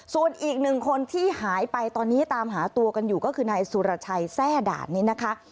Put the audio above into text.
ส่วนอีกหนึ่งคนที่หายไปตอนนี้ตามหาตัวกันอยู่ก็คือนายสุรชัยแทร่ด่านนี้นะคะ